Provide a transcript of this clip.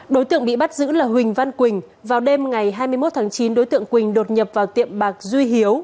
đối tượng bị bắt giữ là huỳnh văn quỳnh vào đêm ngày hai mươi một tháng chín đối tượng quỳnh đột nhập vào tiệm bạc duy hiếu